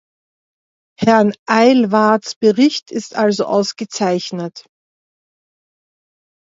Herrn Aylwards Bericht ist also ausgezeichnet.